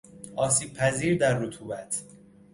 آسیب پذیر در رطوبت